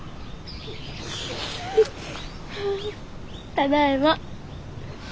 ただいま。